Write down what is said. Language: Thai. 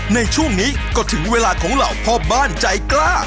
ในช่วงนี้ก็ถึงเวลาของเหล่าพ่อบ้านใจกล้า